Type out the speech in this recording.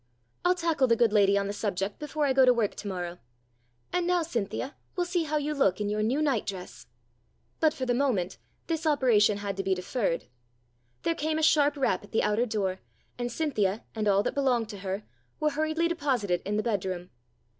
I'll tackle the good lady on the subject before I go to work to morrow. And now, Cynthia, we'll see how you look in your new nightdress." THE DOLL i67 But for the moment this operation had to be deferred. There came a sharp rap at the outer door, and Cynthia and all that belonged to her were hurriedly deposited in the bedroom.